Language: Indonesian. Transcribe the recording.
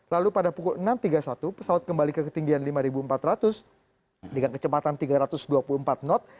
lalu pada pukul enam tiga puluh satu pesawat kembali ke ketinggian lima empat ratus dengan kecepatan tiga ratus dua puluh empat knot